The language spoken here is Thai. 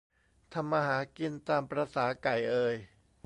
ทำมาหากิน ตามประสาไก่เอย